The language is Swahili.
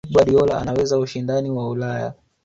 pep guardiola anaweza ushindani wa ulaya